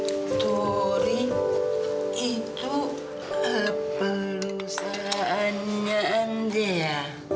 victoria itu perusahaannya anjaya